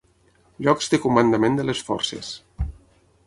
Llocs de comandament de les forces.